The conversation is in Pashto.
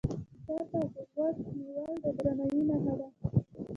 چا ته غوږ نیول د درناوي نښه ده